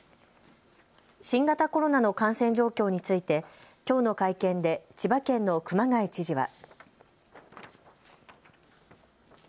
新型コロナの感染状況についてきょうの会見で千葉県の熊谷知事は。